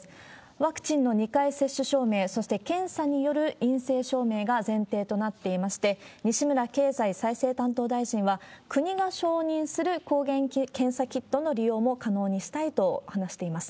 ワクチンの２回接種証明、そして検査による陰性証明が前提となっていまして、西村経済再生担当大臣は、国が承認する抗原検査キットの利用も可能にしたいと話しています。